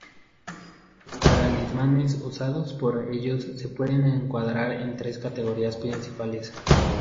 Los talismanes usados por ellos se pueden encuadrar en tres categorías principales.